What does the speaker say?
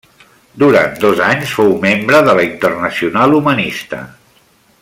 Durant dos anys fou membre de la Internacional Humanista.